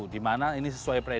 di mana ini sesuai